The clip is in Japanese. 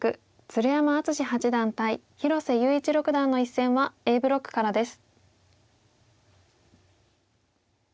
鶴山淳志八段対広瀬優一六段の一戦はＡブロックからです。